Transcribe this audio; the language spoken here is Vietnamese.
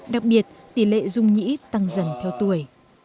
đặc biệt tỷ lệ dung nhĩ tăng dần theo tuổi